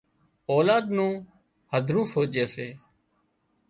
اولاد نُون هڌرون سوچي سي